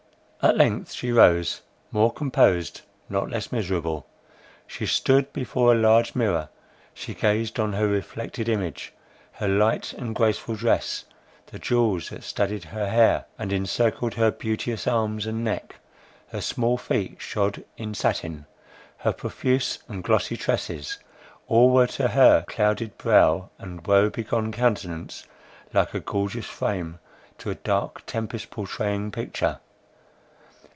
At length she rose, more composed, not less miserable. She stood before a large mirror—she gazed on her reflected image; her light and graceful dress, the jewels that studded her hair, and encircled her beauteous arms and neck, her small feet shod in satin, her profuse and glossy tresses, all were to her clouded brow and woe begone countenance like a gorgeous frame to a dark tempest pourtraying picture.